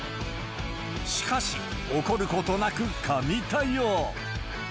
しかし、怒ることなく神対応。